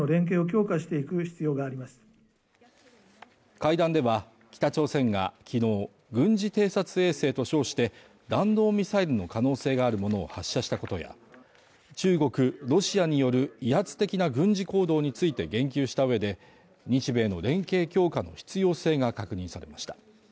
会談では、北朝鮮がきのう軍事偵察衛星と称して、弾道ミサイルの可能性があるものを発射したことや、中国、ロシアによる威圧的な軍事行動について言及した上で、日米の連携強化の必要性が確認されました。